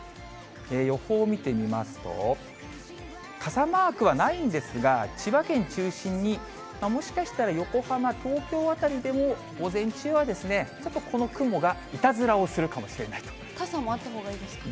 予報見てみますと、傘マークはないんですが、千葉県中心に、もしかしたら横浜、東京辺りでも午前中はちょっとこの雲がいたずらをするかもしれな傘もあったほうがいいですか？